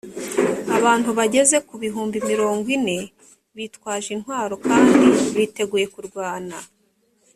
abantu bageze ku bihumbi mirongo ine, bitwaje intwaro kandi biteguye kurwana,